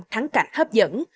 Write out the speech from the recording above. thắng cảnh hấp dẫn